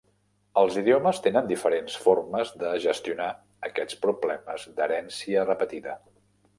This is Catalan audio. Els idiomes tenen diferents formes de gestionar aquests problemes d"herència repetida.